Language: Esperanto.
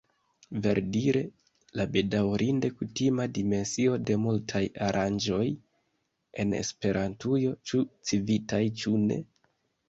Verdire, la bedaŭrinde kutima dimensio de multaj aranĝoj en Esperantujo, ĉu Civitaj ĉu ne.